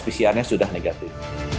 kemudiannya sudah negatif